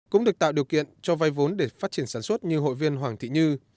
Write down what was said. cũng được tạo điều kiện cho vay vốn để phát triển sản xuất như hội viên hoàng thị như